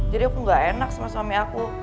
jadi aku gak enak sama suami aku